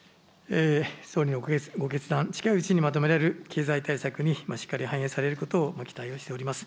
総理のご決断、近いうちにまとめられる経済対策にしっかりと反映されることを期待をしております。